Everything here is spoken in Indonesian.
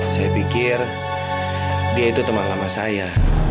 saya pikir dia itu teman lama saya